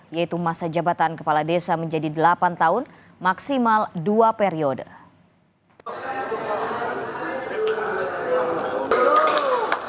yaitu masa jabatan kepala desa menjadi delapan tahun maksimal dua periode